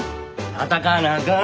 闘わなあかん。